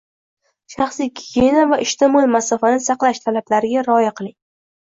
Shaxsiy gigiyena va ijtimoiy masofani saqlash talablariga rioya qiling